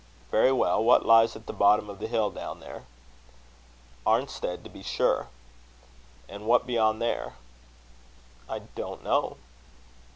"Very well. What lies at the bottom of the hill down there?" "Arnstead, to be sure." "And what beyond there?" "I don't know."